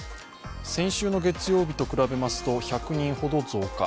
先週の月曜日から比べますと１００人ほど増加。